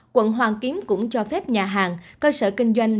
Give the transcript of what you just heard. quận hoàn kiếm cũng cho phép nhà hàng cơ sở kinh doanh